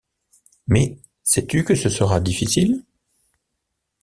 Mais sais-tu que ce sera difficile?